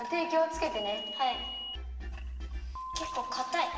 けっこうかたい。